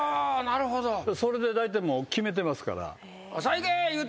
それでだいたい決めてますから。